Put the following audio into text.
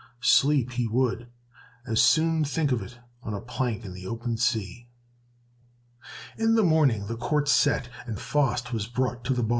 Sleep! he would as soon think of it on a plank in the open sea. In the morning the court set, and Faust was brought to the bar.